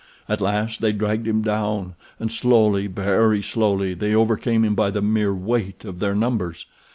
At last they dragged him down, and slowly, very slowly, they overcame him by the mere weight of their numbers.